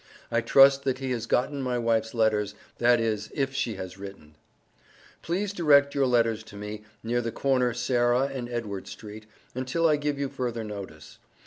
I trust that he has gotten my wife's letters, that is if she has written. Please direct your letters to me, near the corner Sarah and Edward street, until I give you further notice.